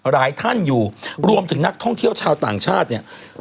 หลายท่านอยู่รวมถึงนักท่องเที่ยวชาวต่างชาติเนี่ย